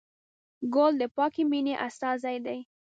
ګل د پاکې مینې استازی دی.